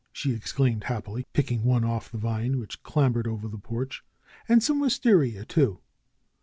she exclaimed happily, picking one off the vine which clambered over the porch. ^^And some wistaria, too!"